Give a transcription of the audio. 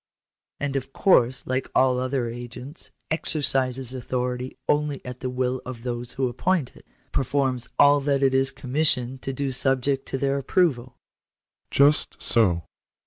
" And of course, like all other agents, exercises authority only at the will of those who appoint it — performs all that it is commissioned to do subject to their approval?" " Just so."